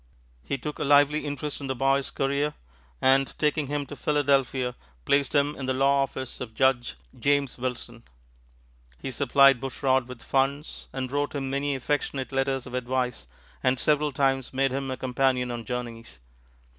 He took a lively interest in the boy's career, and taking him to Philadelphia placed him in the law office of Judge James Wilson. He supplied Bushrod with funds, and wrote him many affectionate letters of advice, and several times made him a companion on journeys.